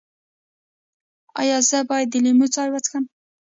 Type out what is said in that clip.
ایا زه باید د لیمو چای وڅښم؟